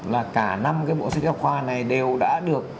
là cả năm cái bộ sách giáo khoa này đều đã được